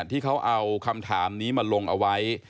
ที่เขาเอาคำถามนี้มาลงเอาไว้